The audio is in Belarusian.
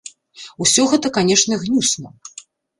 Усё гэта, канечне, гнюсна.